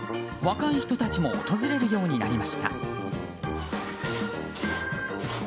若い人たちも訪れるようになりました。